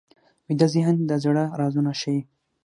ویده ذهن د زړه رازونه ښيي